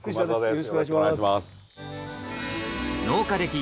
よろしくお願いします。